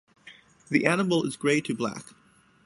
The animal is grey to black.